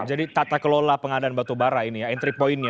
jadi tata kelola pengadaan batubara ini ya entry point nya